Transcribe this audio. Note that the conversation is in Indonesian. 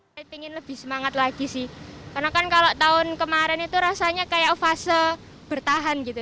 saya ingin lebih semangat lagi sih karena kan kalau tahun kemarin itu rasanya kayak fase bertahan gitu